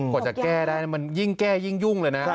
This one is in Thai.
กว่าจะแก้ได้มันยิ่งแก้ยิ่งยุ่งเลยนะ